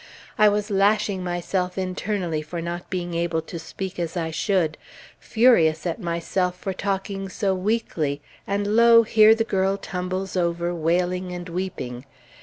I was lashing myself internally for not being able to speak as I should, furious at myself for talking so weakly, and lo! here the girl tumbles over wailing and weeping!